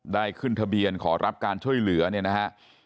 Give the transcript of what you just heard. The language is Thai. ได้ขึ้นทะเบียนขอรับการช่วยเหลือเนี่ยนะฮะ